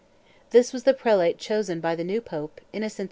This was the prelate chosen by the new Pope, Innocent X.